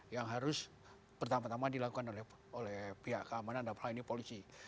yang harus pertama tama dilakukan oleh pihak keamanan dalam hal ini polisi